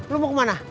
lu mau kemana